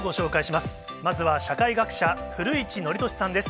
まずは社会学者、古市憲寿さんです。